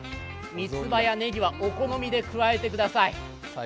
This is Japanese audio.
三つ葉やねぎはお好みで加えてください。